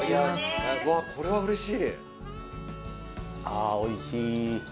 あおいしい！